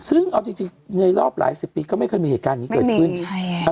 ซึ่งเอาจริงจริงในรอบหลายสิบปีก็ไม่เคยมีเหตุการณ์นี้เกิดขึ้นใช่ค่ะ